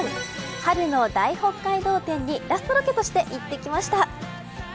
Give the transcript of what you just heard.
春の大北海道展にラストロケとして行ってきました。